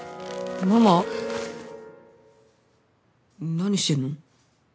何してるの？